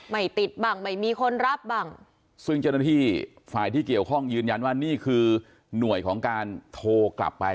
ไม่ติดบ้างไม่มีคนรับบ้างซึ่งเจ้าหน้าที่ฝ่ายที่เกี่ยวข้องยืนยันว่านี่คือหน่วยของการโทรกลับไป